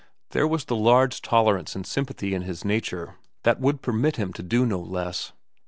There was that large tolerance and sympathy in his nature that would permit him to do no less.